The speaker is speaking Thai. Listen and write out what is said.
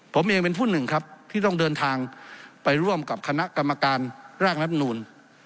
ผมเองเป็นผู้หนึ่งครับที่ต้องเดินทางไปร่วมกับคณะกรรมการร่างรัฐมนูล